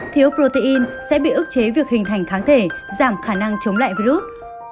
thiếu protein sẽ bị ức chế việc hình thành kháng thể giảm khả năng chống lại virus